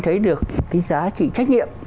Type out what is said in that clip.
thấy được cái giá trị trách nhiệm